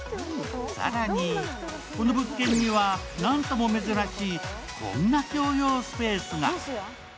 更に、この物件にはなんとも珍しいこんな共用スペースが。